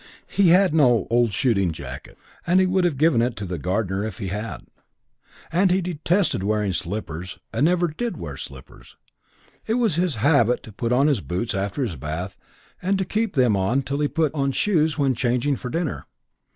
He had no "old shooting jacket" and he would have given it to the gardener if he had; and he detested wearing slippers and never did wear slippers; it was his habit to put on his boots after his bath and to keep them on till he put on shoes when changing for dinner.